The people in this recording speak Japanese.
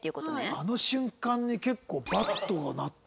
あの瞬間に結構ＢＡＤが鳴った。